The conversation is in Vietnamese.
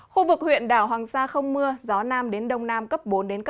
khu vực huyện đảo hoàng sa không mưa gió nam đến đông nam cấp bốn đến năm